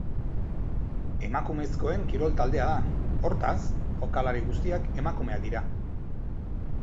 Emakumezkoen kirol taldea da, hortaz, jokalari guztiak emakumeak dira.